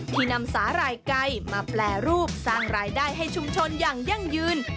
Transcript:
ที่นำสาหร่ายไก่มาแปรรูปสร้างรายได้ให้ชุมชนอย่างยั่งยืน